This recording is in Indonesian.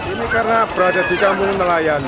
ini karena berada di kampung nelayan